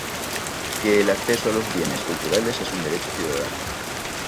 Que el acceso a los bienes culturales es un derecho ciudadano.